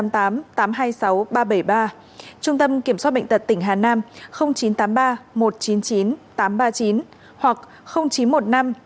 trung tâm kiểm soát bệnh tật tỉnh hà nam chín trăm tám mươi ba một trăm chín mươi chín tám mươi tám